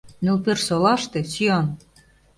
— Нӧлперсолаште — сӱан.